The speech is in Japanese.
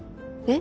え？